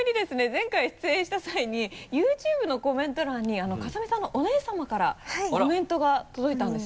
前回出演した際にＹｏｕＴｕｂｅのコメント欄に風見さんのお姉さまからコメントが届いたんですよ。